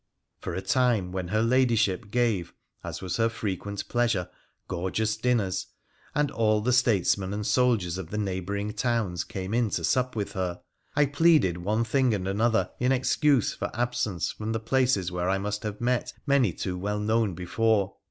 For a time, when her Ladyship gave, as was her frequent pleasure, gorgeous dinners, and all the statesmen and soldiers of the neighbouring towns came in to sup with her, I pleaded one thing and another in excuse for absence from the places where I must have met many too well known before.